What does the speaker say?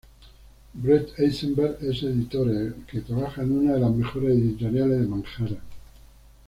Brett Eisenberg es editora que trabaja en una de las mejores editoriales de Manhattan.